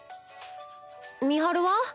美晴は？